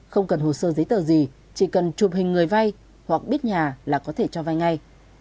không cần hồ sơ giấy tờ gì chỉ cần chụp hình người vay hoặc biết nhà là có thể cho vay ngay